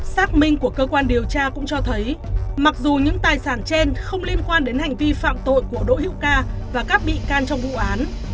xác minh của cơ quan điều tra cũng cho thấy mặc dù những tài sản trên không liên quan đến hành vi phạm tội của đỗ hữu ca và các bị can trong vụ án